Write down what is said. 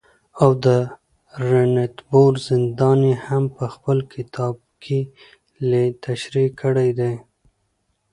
او د رنتبور زندان يې هم په خپل کتابکې تشريح کړى دي